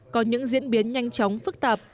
có những diễn biến nhanh chóng phức tạp